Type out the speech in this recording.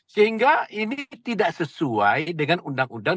sehingga ini tidak sesuai dengan undang undang